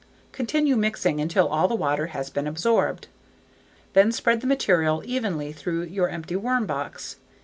Continue mixing until all the water has been absorbed. Then spread the material evenly through your empty worm box.